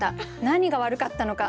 何が悪かったのか。